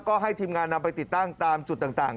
ก็ให้ทีมงานนำไปติดตั้งตามจุดต่าง